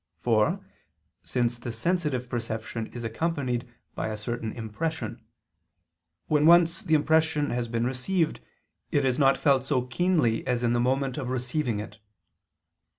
For, since the sensitive perception is accompanied by a certain impression; when once the impression has been received it is not felt so keenly as in the moment of receiving it.